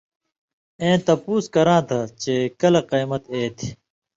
اېں تپُوس کراں تھہ چے کلہۡ قَیمت اے تھی؟